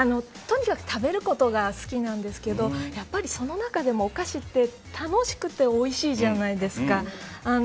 とにかく食べることが好きなんですけどやっぱり、その中でもお菓子って楽しくておいしいじゃないですか。